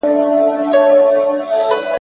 بهرنی سیاست د هیواد لپاره مخلص ملګري پیدا کوي.